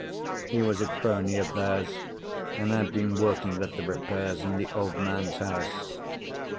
He was a crony of theirs, and had been working at the repairs in the old man's house.